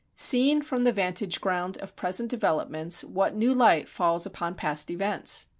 Seen from the vantage ground of present developments what new light falls upon past events!